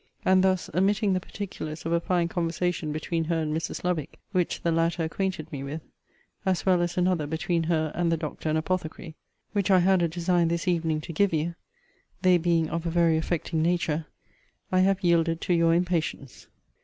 And thus, omitting the particulars of a fine conversation between her and Mrs. Lovick, which the latter acquainted me with, as well as another between her and the doctor and apothecary, which I had a design this evening to give you, they being of a very affecting nature, I have yielded to your impatience.